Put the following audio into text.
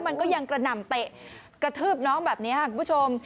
มันก็ยังกระหน่ำเตะกระทืบน้องแบบนี้ค่ะคุณผู้ชม